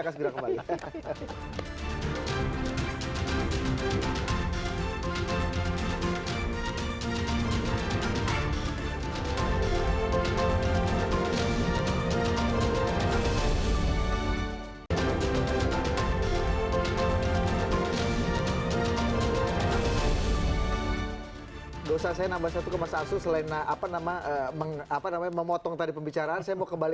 kami akan segera kembali